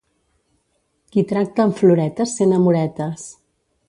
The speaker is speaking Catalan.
Qui tracta amb floretes sent amoretes.